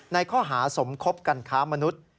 ในข้อหาสมคบกันค้ามนุษย์